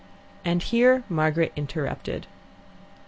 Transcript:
And here Margaret interrupted.